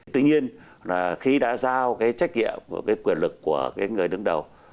tuy nhiên là khi đã giao cái trách nhiệm và cái quyền lực của cái người đứng đầu